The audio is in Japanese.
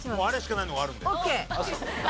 「あれしかない」